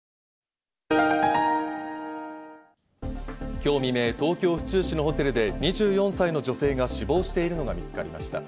今日未明、東京・府中市のホテルで２４歳の女性が死亡しているのが見つかりました。